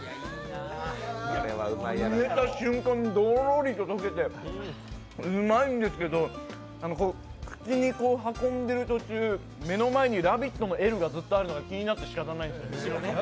入れた瞬間、とろりと溶けてうまいんですけど口に運んでる途中目の前に「ラヴィット！」の「Ｌ」があるの気になってしかたないです。